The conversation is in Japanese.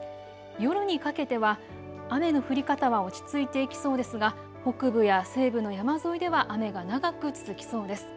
夜にかけては雨の降り方は落ち着いていきそうですが北部や西部の山沿いでは雨が長く続きそうです。